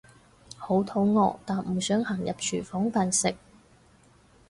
好肚餓但唔想行入廚房飯食